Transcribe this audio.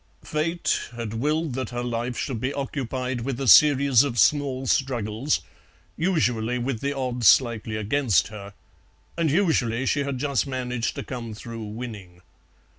Fate had willed that her life should be occupied with a series of small struggles, usually with the odds slightly against her, and usually she had just managed to come through winning.